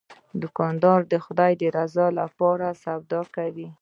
دوکاندار د خدای د رضا لپاره سودا کوي.